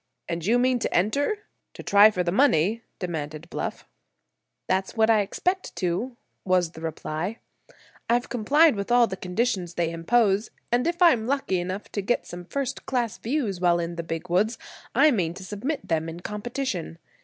"And you mean to enter—to try for the money?" demanded Bluff. "That's what I expect to," was the reply. "I've complied with all the conditions they impose, and if I'm lucky enough to get some first class views while in the Big Woods, I mean to submit them in competition.